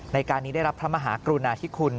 ในการนี้ได้รับพระมหากรุณาธิคุณ